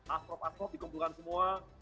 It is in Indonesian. astrof astrof dikumpulkan semua